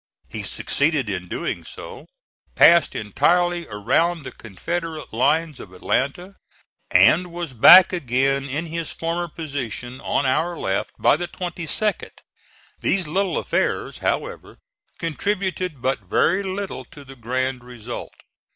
He succeeded in doing so, passed entirely around the Confederate lines of Atlanta, and was back again in his former position on our left by the 22d. These little affairs, however, contributed but very little to the grand result.